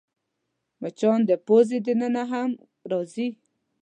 مچان د پوزې دننه هم راځي